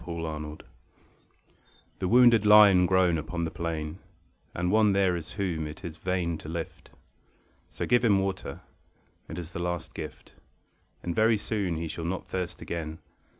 THE WOUNDED The wounded lie and groan upon the plain; And one there is whom it is vain to lift; So give him water. It is the last gift, And very soon he shall not thirst again.